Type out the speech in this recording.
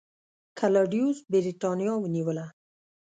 کلاډیوس برېټانیا ونیوله